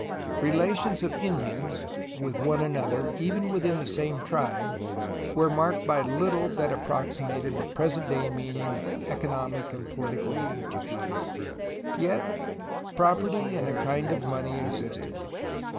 Relations of Indians with one another, even within the same tribe, were marked by little that approximated the present day meaning of economic and political institutions. Yet, property and a kind of money existed.